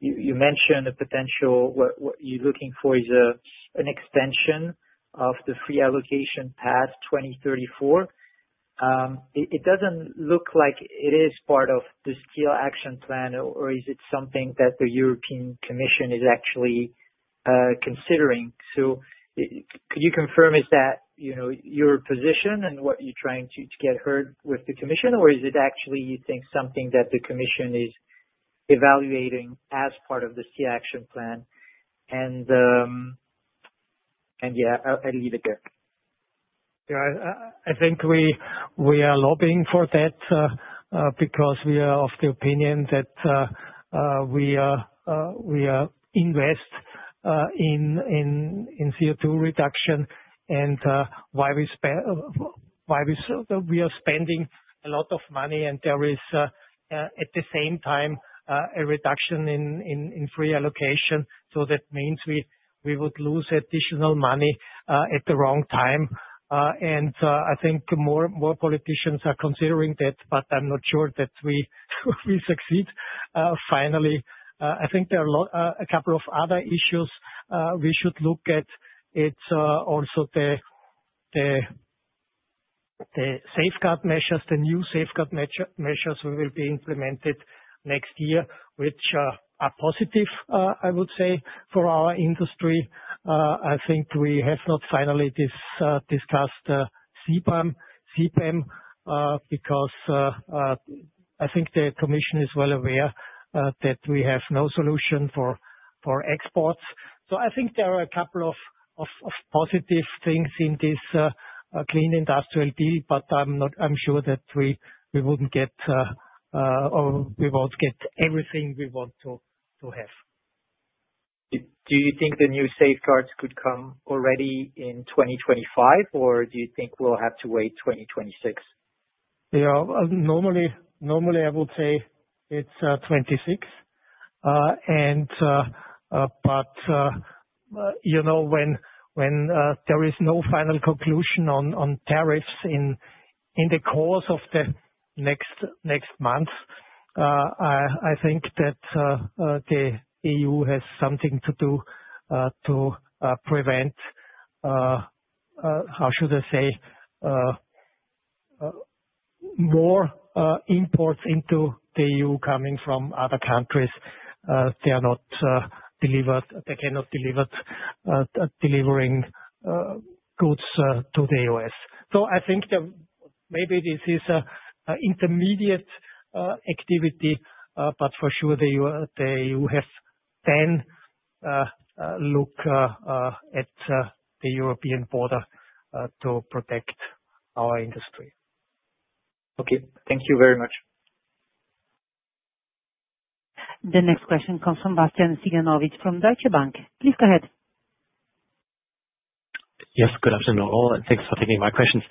you mentioned a potential, what you're looking for is an extension of the free allocation path 2034. It doesn't look like it is part of the Steel Action Plan, or is it something that the European Commission is actually considering? Could you confirm is that your position and what you're trying to get heard with the Commission, or is it actually, you think, something that the Commission is evaluating as part of the Steel Action Plan? Yeah, I'll leave it there. I think we are lobbying for that because we are of the opinion that we invest in CO2 reduction and why we are spending a lot of money. There is, at the same time, a reduction in free allocation. That means we would lose additional money at the wrong time. I think more politicians are considering that, but I'm not sure that we succeed finally. I think there are a couple of other issues we should look at. It's also the safeguard measures, the new safeguard measures will be implemented next year, which are positive, I would say, for our industry. I think we have not finally discussed CBAM because I think the Commission is well aware that we have no solution for exports. So I think there are a couple of positive things in this clean industrial deal, but I'm sure that we wouldn't get or we won't get everything we want to have. Do you think the new safeguards could come already in 2025, or do you think we'll have to wait 2026? Yeah, normally I would say it's 2026. But when there is no final conclusion on tariffs in the course of the next months, I think that the EU has something to do to prevent, how should I say, more imports into the EU coming from other countries. They are not delivered, they cannot deliver goods to the U.S. I think maybe this is an intermediate activity, but for sure the EU has then looked at the European border to protect our industry. Okay, thank you very much. The next question comes from Bastian Synagowitz from Deutsche Bank. Please go ahead. Yes, good afternoon all, and thanks for taking my questions.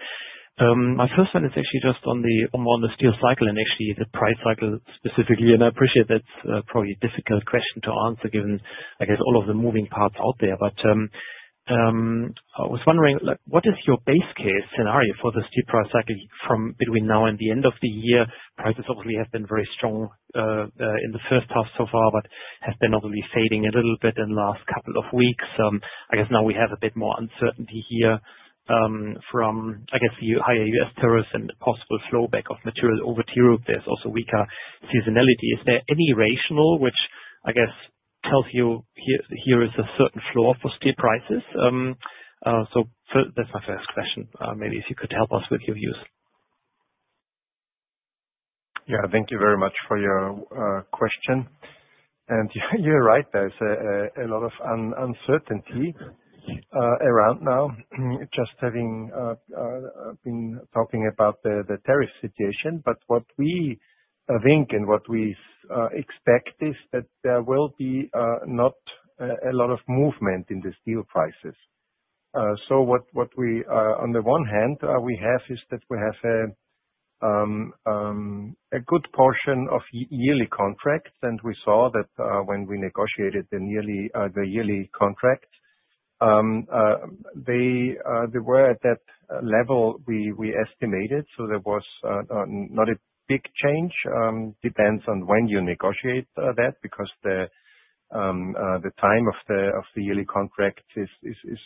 My first one is actually just on the steel cycle and actually the price cycle specifically. I appreciate that's probably a difficult question to answer given, I guess, all of the moving parts out there. I was wondering, what is your base case scenario for the steel price cycle from between now and the end of the year? Prices obviously have been very strong in the first half so far, but have been obviously fading a little bit in the last couple of weeks. I guess now we have a bit more uncertainty here from, I guess, the higher U.S. tariffs and possible flowback of materials over to Europe. There's also weaker seasonality. Is there any rationale, which I guess tells you here is a certain floor for steel prices? That is my first question. Maybe if you could help us with your views. Yeah, thank you very much for your question. You're right, there's a lot of uncertainty around now, just having been talking about the tariff situation. What we think and what we expect is that there will be not a lot of movement in the steel prices. What we, on the one hand, we have is that we have a good portion of yearly contracts. We saw that when we negotiated the yearly contracts, they were at that level we estimated. There was not a big change. Depends on when you negotiate that because the time of the yearly contract is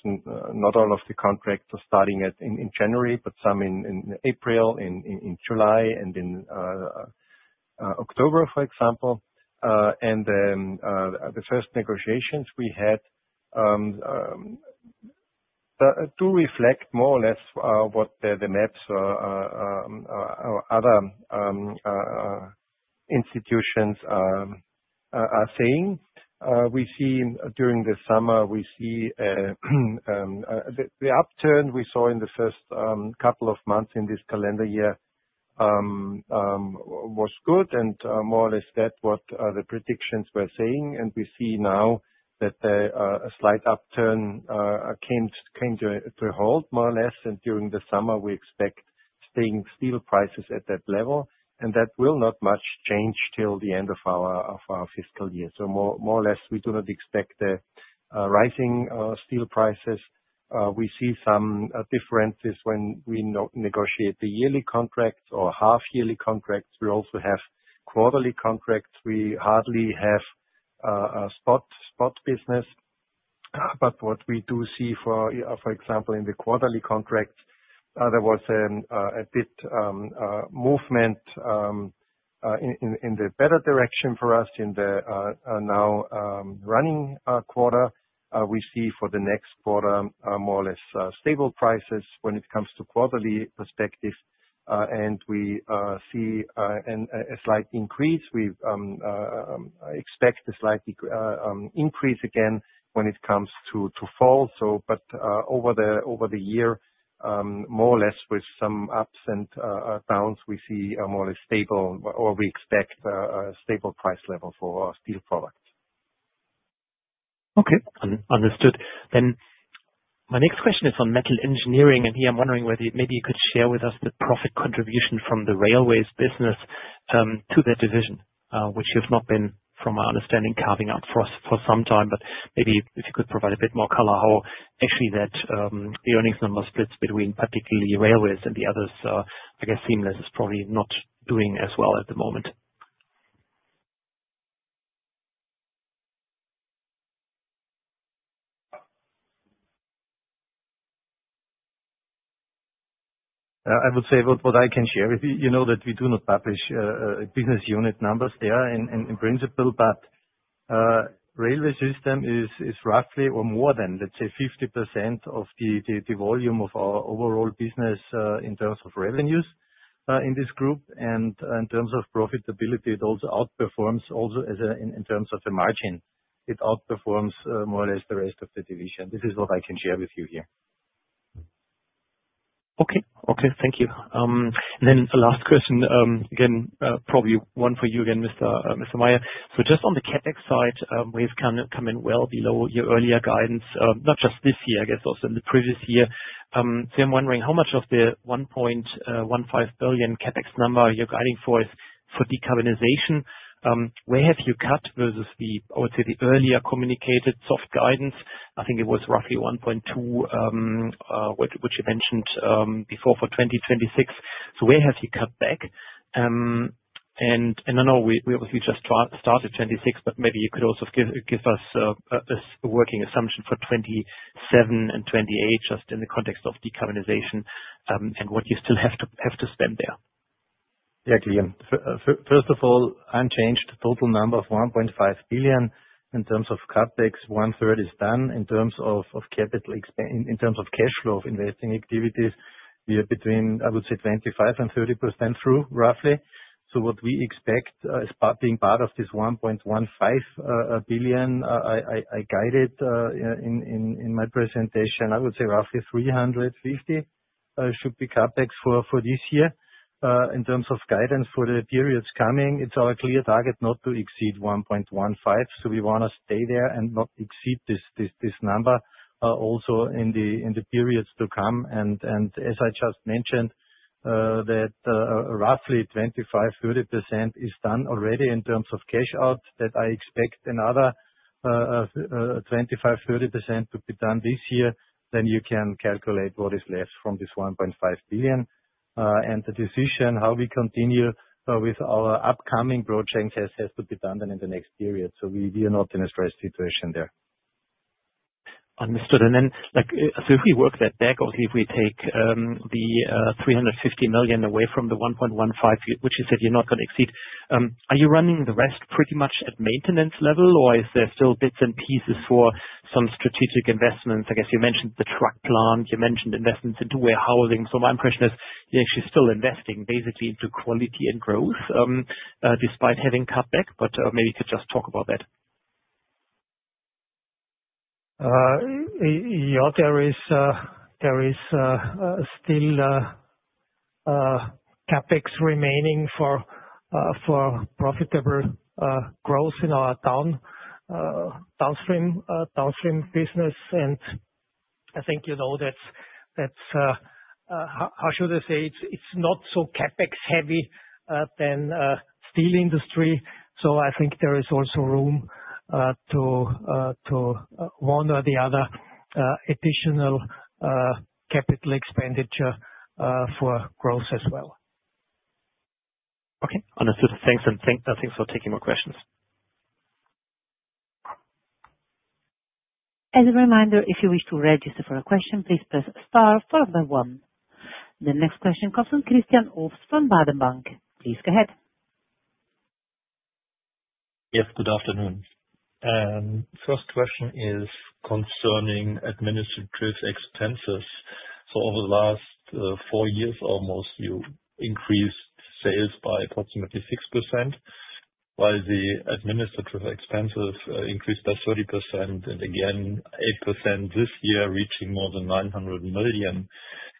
not all of the contracts are starting in January, but some in April, in July, and in October, for example. The first negotiations we had do reflect more or less what the MEPs or other institutions are saying. During the summer, we see the upturn we saw in the first couple of months in this calendar year was good, and more or less that is what the predictions were saying. We see now that a slight upturn came to hold, more or less. During the summer, we expect steel prices at that level. That will not much change till the end of our fiscal year. More or less, we do not expect rising steel prices. We see some differences when we negotiate the yearly contracts or half-yearly contracts. We also have quarterly contracts. We hardly have spot business. What we do see, for example, in the quarterly contracts, there was a bit of movement in the better direction for us in the now running quarter. We see for the next quarter, more or less stable prices when it comes to quarterly perspective. We see a slight increase. We expect a slight increase again when it comes to fall. Over the year, more or less with some ups and downs, we see a more or less stable or we expect a stable price level for steel products. Okay, understood. My next question is on metal engineering. Here, I'm wondering whether maybe you could share with us the profit contribution from the railways business to the division, which you've not been, from my understanding, carving out for some time. Maybe if you could provide a bit more color how actually the earnings number splits between particularly railways and the others, I guess seamless is probably not doing as well at the moment. I would say what I can share with you, you know that we do not publish business unit numbers there in principle, but railway systems is roughly or more than, let's say, 50% of the volume of our overall business in terms of revenues in this group. In terms of profitability, it also outperforms also in terms of the margin. It outperforms more or less the rest of the division. This is what I can share with you here. Okay, okay. Thank you. Then the last question, again, probably one for you again, Mr. Mayer. Just on the CapEx side, we've come in well below your earlier guidance, not just this year, I guess, also in the previous year. I'm wondering how much of the 1.15 billion CapEx number you're guiding for is for decarbonization. Where have you cut versus the, I would say, the earlier communicated soft guidance? I think it was roughly 1.2 billion, which you mentioned before for 2026. Where have you cut back? I know we obviously just started 2026, but maybe you could also give us a working assumption for 2027 and 2028 just in the context of decarbonization and what you still have to spend there. Yeah, Guillaume. First of all, unchanged total number of 1.5 billion in terms of CapEx, one-third is done. In terms of capital, in terms of cash flow of investing activities, we are between, I would say, 25%-30% through roughly. What we expect as being part of this 1.15 billion, I guided in my presentation, I would say roughly 350 million should be CapEx for this year. In terms of guidance for the periods coming, it is our clear target not to exceed 1.15 billion. We want to stay there and not exceed this number also in the periods to come. As I just mentioned, that roughly 25%-30% is done already in terms of cash out, I expect another 25%-30% to be done this year. You can calculate what is left from this 1.5 billion. The decision how we continue with our upcoming projects has to be done in the next period. We are not in a stressed situation there. Understood. If we work that back, obviously, if we take the 350 million away from the 1.15 billion, which you said you are not going to exceed, are you running the rest pretty much at maintenance level, or is there still bits and pieces for some strategic investments? I guess you mentioned the truck plant, you mentioned investments into warehousing. My impression is you are actually still investing basically into quality and growth despite having cut back, but maybe you could just talk about that. Yeah, there is still CapEx remaining for profitable growth in our downstream business. I think you know, that is, how should I say, it is not so CapEx heavy than steel industry. I think there is also room to one or the other additional capital expenditure for growth as well. Okay, understood. Thanks for taking my questions. As a reminder, if you wish to register for a question, please press star followed by one. The next question comes from Christian Obst from Baader Bank. Please go ahead. Yes, good afternoon. First question is concerning administrative expenses. Over the last four years almost, you increased sales by approximately 6%, while the administrative expenses increased by 30%, and again, 8% this year reaching more than 900 million.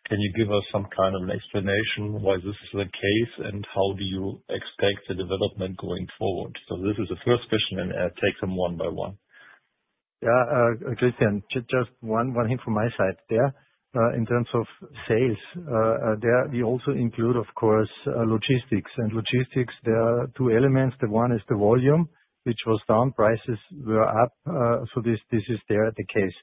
Can you give us some kind of an explanation why this is the case, and how do you expect the development going forward? This is the first question, and I'll take them one by one. Yeah, Christian, just one thing from my side there. In terms of sales, we also include, of course, logistics. Logistics, there are two elements. The one is the volume, which was down; prices were up. This is the case.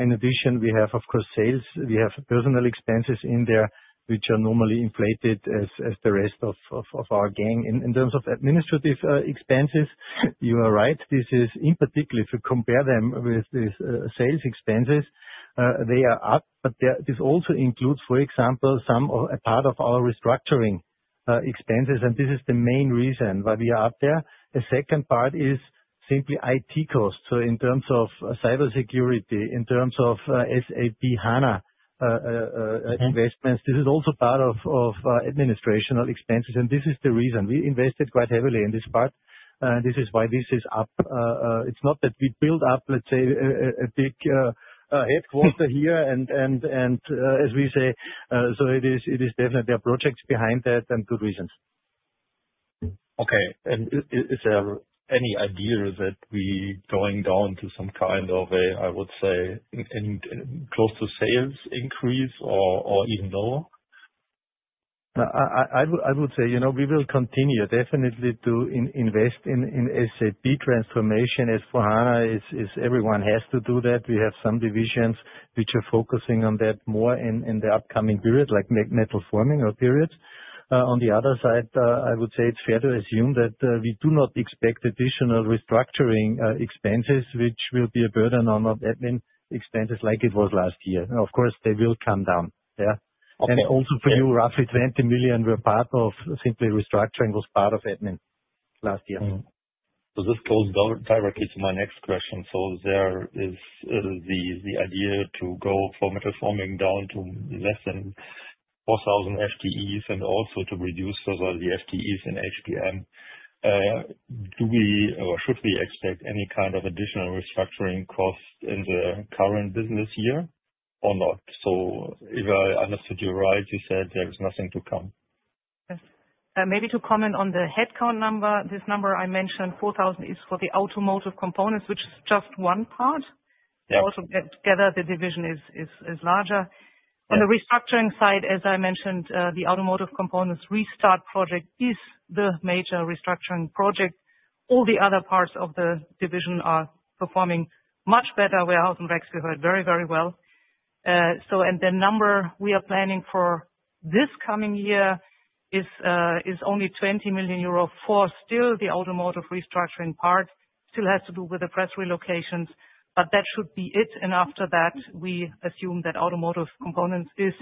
In addition, we have, of course, sales. We have personal expenses in there, which are normally inflated as the rest of our gang. In terms of administrative expenses, you are right. This is, in particular, if you compare them with these sales expenses, they are up, but this also includes, for example, some part of our restructuring expenses. This is the main reason why we are up there. A second part is simply IT costs. In terms of cybersecurity, in terms of SAP HANA investments, this is also part of administrative expenses. This is the reason we invested quite heavily in this part. This is why this is up. It's not that we build up, let's say, a big headquarter here, and as we say, so it is definitely a project behind that and good reasons. Okay. Is there any idea that we are going down to some kind of a, I would say, close to sales increase or even lower? I would say we will continue definitely to invest in SAP transformation as for HANA is everyone has to do that. We have some divisions which are focusing on that more in the upcoming period, like metal forming periods. On the other side, I would say it's fair to assume that we do not expect additional restructuring expenses, which will be a burden on admin expenses like it was last year. Of course, they will come down. Yeah. Also for you, roughly 20 million were part of simply restructuring was part of admin last year. This goes directly to my next question. There is the idea to go for metal forming down to less than 4,000 FTEs and also to reduce the FTEs in HBM. Do we or should we expect any kind of additional restructuring cost in the current business year or not? If I understood you right, you said there is nothing to come. Maybe to comment on the headcount number, this number I mentioned, 4,000 is for the automotive components, which is just one part. Altogether, the division is larger. On the restructuring side, as I mentioned, the automotive components restart project is the major restructuring project. All the other parts of the division are performing much better. Warehouse and Rack, we heard very, very well. The number we are planning for this coming year is only 20 million euro for still the automotive restructuring part. Still has to do with the press relocations, but that should be it. After that, we assume that automotive components is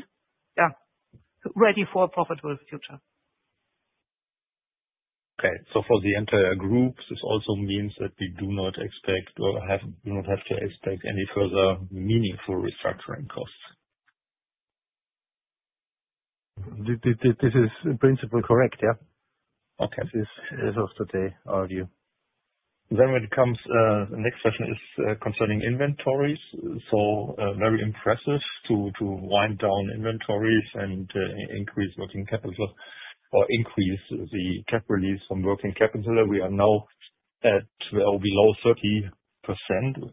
ready for a profitable future. Okay. For the entire group, this also means that we do not expect or do not have to expect any further meaningful restructuring costs. This is in principle correct, yeah. This is as of today, our view. When it comes, the next question is concerning inventories. Very impressive to wind down inventories and increase working capital or increase the cap release from working capital. We are now at well below 30%,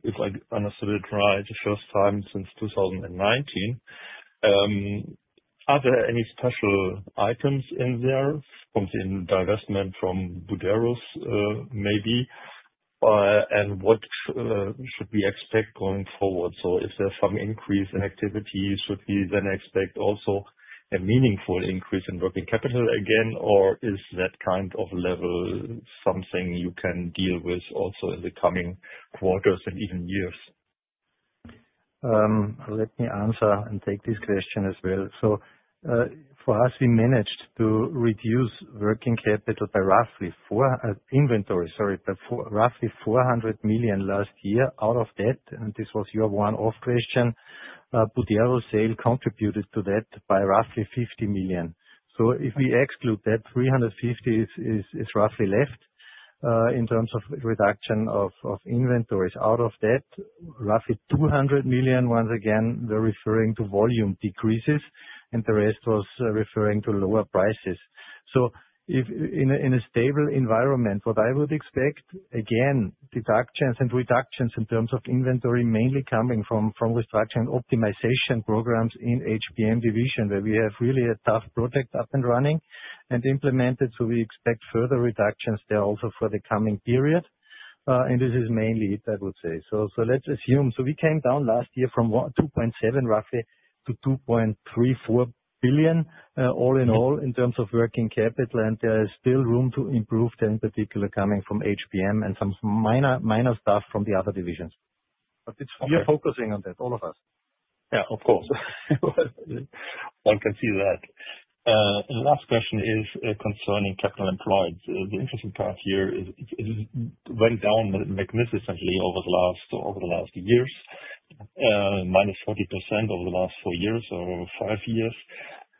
if I understood it right, the first time since 2019. Are there any special items in there from the investment from Buderus maybe? What should we expect going forward? If there's some increase in activity, should we then expect also a meaningful increase in working capital again, or is that kind of level something you can deal with also in the coming quarters and even years? Let me answer and take this question as well. For us, we managed to reduce working capital by roughly 400 million last year. Out of that, and this was your one-off question, the Buderus sale contributed to that by roughly 50 million. If we exclude that, 350 million is roughly left in terms of reduction of inventories. Out of that, roughly 200 million, once again, we're referring to volume decreases, and the rest was referring to lower prices. In a stable environment, what I would expect, again, deductions and reductions in terms of inventory mainly coming from restructuring optimization programs in HBM division, where we have really a tough project up and running and implemented. We expect further reductions there also for the coming period. This is mainly it, I would say. Let's assume. We came down last year from 2.7 billion roughly to 2.34 billion all in all in terms of working capital. There is still room to improve, in particular coming from HBM and some minor stuff from the other divisions. We are focusing on that, all of us. Yeah, of course. One can see that. The last question is concerning capital employed. The interesting part here is it went down magnificently over the last years, -40% over the last four years or five years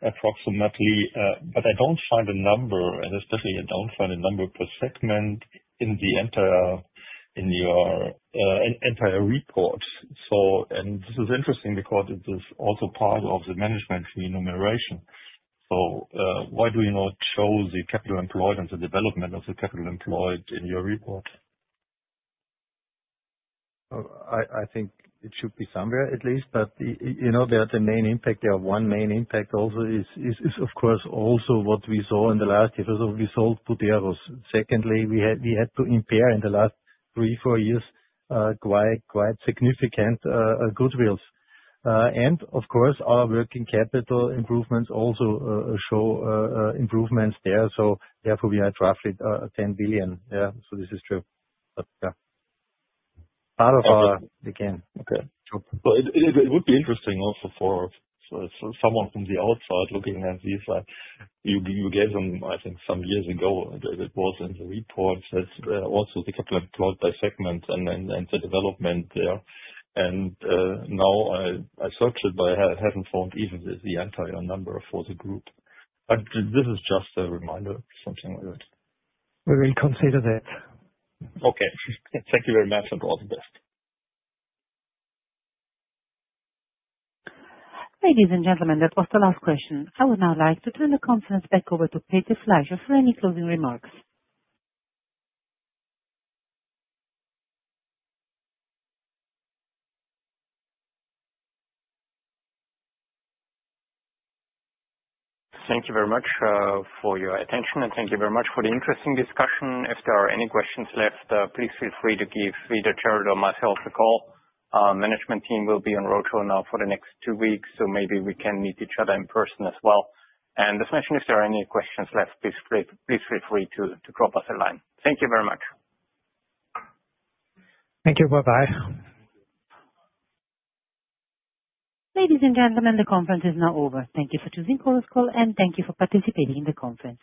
approximately. I do not find a number, and especially I do not find a number per segment in the entire report. This is interesting because it is also part of the management remuneration. Why do you not show the capital employed and the development of the capital employed in your report? I think it should be somewhere at least. The main impact, there is one main impact also, is, of course, also what we saw in the last year. We sold Buderus. Secondly, we had to impair in the last three, four years quite significant goodwills. Of course, our working capital improvements also show improvements there. Therefore, we had roughly 10 billion. Yeah, this is true. Yeah. Part of our, again, okay. It would be interesting also for someone from the outside looking at these. You gave them, I think, some years ago, it was in the report, also the capital employed by segments and the development there. Now I searched it, but I have not found even the entire number for the group. This is just a reminder, something like that. We will consider that. Okay. Thank you very much and all the best. Ladies and gentlemen, that was the last question. I would now like to turn the conference back over to Peter Fleischer for any closing remarks. Thank you very much for your attention, and thank you very much for the interesting discussion. If there are any questions left, please feel free to give Peter, Gerald, or myself a call. Management team will be on roadshow now for the next two weeks, so maybe we can meet each other in person as well. As mentioned, if there are any questions left, please feel free to drop us a line. Thank you very much. Thank you. Bye-bye. Ladies and gentlemen, the conference is now over. Thank you for choosing voestalpine, and thank you for participating in the conference.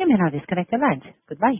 You may now disconnect the lines. Goodbye.